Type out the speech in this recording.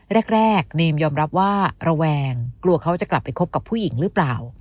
แรกเนมยอมรับว่าระแวงกลัวเขาจะกลับไปคบกับผู้หญิงหรือเปล่า